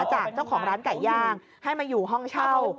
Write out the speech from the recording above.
จากเจ้าของร้านไก่ย่างให้มาอยู่ห้องเช่า